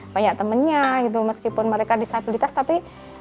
banyak temennya gitu meskipun mereka disabilitas tapi